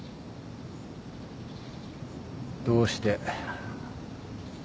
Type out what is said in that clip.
どうして。